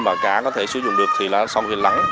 mà cá có thể xuất hiện